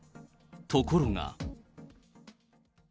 ところが。